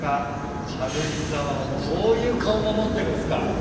軽井沢はこういう顔も持ってるんすか。